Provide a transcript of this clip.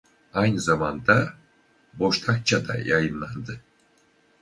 Aynı zamanda Boşnakça'da yayınladı.